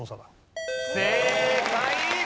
正解！